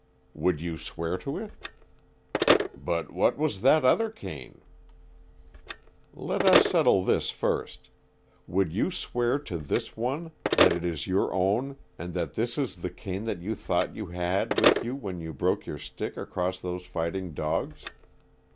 "Would you swear to it?" "But what was that other cane?" "Let us settle this first. Would you swear to this one, that it is your own, and that this is the cane that you thought you had with you when you broke your stick across those fighting dogs?